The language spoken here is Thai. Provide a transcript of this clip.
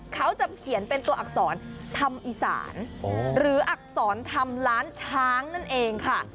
เขาจะเขียนเป็นตัวอักษรธรรมอีสานหรืออักษรธรรมล้านช้างนั่นเองค่ะ